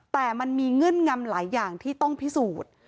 แต่มันมีเงื่อนงำหลายอย่างที่ต้องพิสูจน์